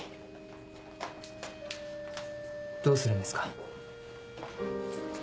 どうするんですか？